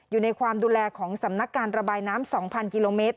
อยู่ในความดูแลของสำนักการระบายน้ำ๒๐๐กิโลเมตร